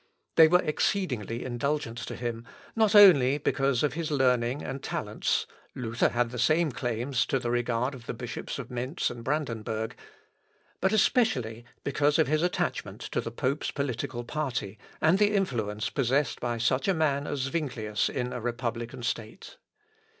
They were exceedingly indulgent to him, not only because of his learning and talents, (Luther had the same claims to the regard of the bishops of Mentz and Brandenburg,) but especially because of his attachment to the pope's political party, and the influence possessed by such a man as Zuinglius in a republican state.